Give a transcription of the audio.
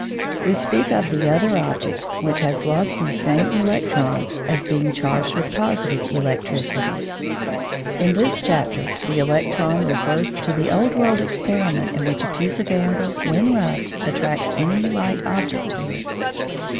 We speak of the other object, which has lost these same electrons, as being charged with positive electricity. In this chapter the electron refers to the old world experiment in which a piece of amber when rubbed attracts any light object to it.